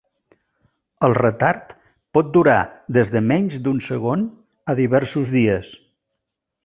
El retard pot durar des de menys d'un segon a diversos dies.